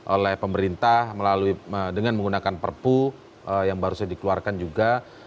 oleh pemerintah melalui dengan menggunakan perpu yang baru saja dikeluarkan juga